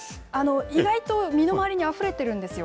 意外と身の回りにあふれてるんですよ。